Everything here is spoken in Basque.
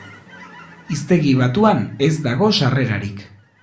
Hiztegi batuan ez dago sarrerarik.